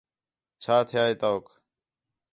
چھا تھیا ہِے تَؤک؟